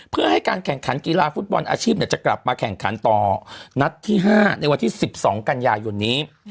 เพื่อให้การแข่งขันกีฬาฟุตบอลอาชีพจะกลับมาแข่งขันต่อนัดที่๕ในวันที่๑๒กันยายนนี้